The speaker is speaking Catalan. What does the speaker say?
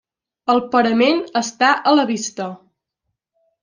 El parament està a la vista.